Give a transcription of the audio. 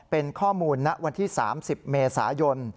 เป็นข้อมูลณวันที่๓๐เมษายน